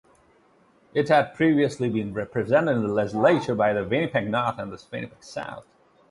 It had previously been represented in the legislature by Winnipeg North and Winnipeg South.